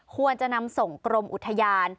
ควรจะนำส่งกรมอุทยาน